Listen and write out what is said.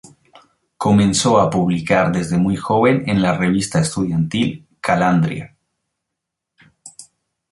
Comenzó a publicar desde muy joven en la revista estudiantil "Calandria".